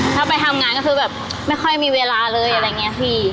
ถ้าไปทำงานก็คือแบบไม่ค่อยมีเวลาเลยอะไรอย่างนี้พี่